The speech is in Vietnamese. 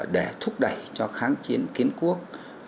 để thúc đẩy cho kháng chiến kiến quốc